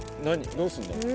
どうすんの？